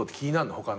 他の。